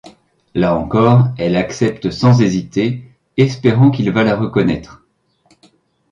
Là encore, elle accepte sans hésiter, espérant qu'il va la reconnaître.